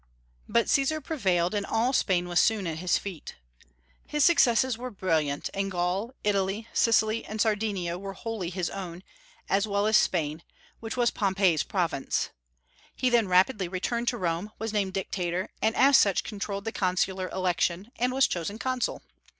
But Caesar prevailed, and all Spain was soon at his feet. His successes were brilliant; and Gaul, Italy, Sicily, and Sardinia were wholly his own, as well as Spain, which was Pompey's province. He then rapidly returned to Rome, was named Dictator, and as such controlled the consular election, and was chosen Consul.